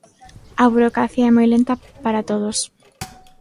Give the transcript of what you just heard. A burocracia é moi lenta para todos.